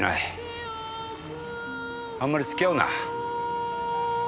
あんまり付き合うな。